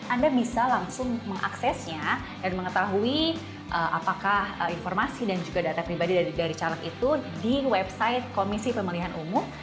anda bisa langsung mengaksesnya dan mengetahui apakah informasi dan juga data pribadi dari caleg itu di website komisi pemilihan umum